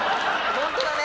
ホントだね。